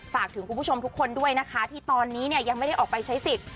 ฝากถึงคุณผู้ชมทุกคนด้วยนะคะที่ตอนนี้เนี่ยยังไม่ได้ออกไปใช้สิทธิ์